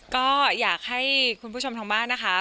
ก็อยากให้คุณผู้ชมทางบ้านนะคะ